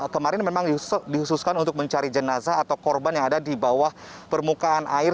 kemarin memang dihususkan untuk mencari jenazah atau korban yang ada di bawah permukaan air